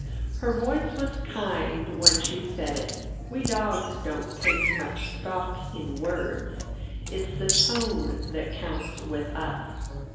Her voice was kind when she said it. We dogs don't take much stock in words; it's the tone that counts with us.